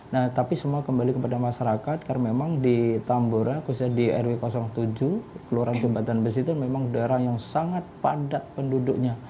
nah tapi semua kembali kepada masyarakat karena memang di tambora khususnya di rw tujuh keluaran jembatan besi itu memang daerah yang sangat padat penduduknya